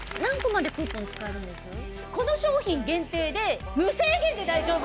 この商品限定で無制限で大丈夫。